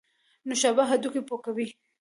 نوشابه هډوکي پوکوي